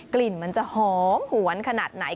กลิ่นมันจะหอมหวนขนาดไหน